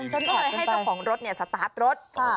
จนก็เลยให้เจ้าของรถเนี้ยสตาร์ตรถค่ะ